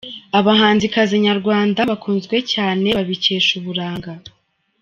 Abahanzikazi nyarwanda bakunzwe cyane babikesha uburanga.